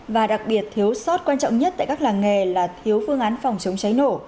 và đặc biệt thiếu sót quan trọng nhất tại các làng nghề là thiếu phương án phòng chống cháy nổ